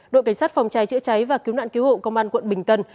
đội cảnh sát phòng cháy chữa cháy và cứu nạn cứu hộ công an quận bình tân